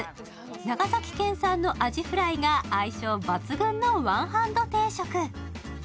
長崎県産のアジフライが相性抜群のワンハンド定食